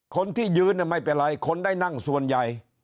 คนที่ยืนไม่เป็นไรคนได้นั่งส่วนใหญ่